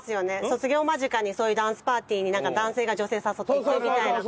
卒業間近にそういうダンスパーティーになんか男性が女性を誘って行くみたいな。